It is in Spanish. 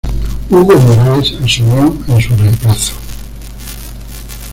Hugo Morales asumió en su reemplazo.